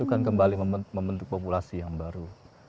owa dan kembali membentuk populasi yang baru